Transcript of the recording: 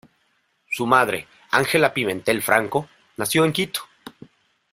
Su madre, Angela Pimentel Franco, nació en Quito.